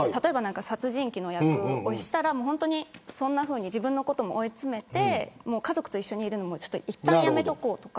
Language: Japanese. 例えば殺人鬼の役をしたらそんなふうに自分のことも追い詰めて家族と一緒にいるのもいったんやめとこうとか。